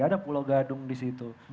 ada pulau gadung di situ